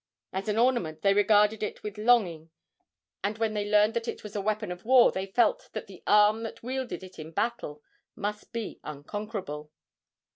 As an ornament they regarded it with longing, and when they learned that it was a weapon of war they felt that the arm that wielded it in battle must be unconquerable.